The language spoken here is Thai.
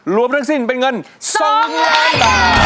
รวมนั้นด้วยเป็นเงิน๒ล้านบาท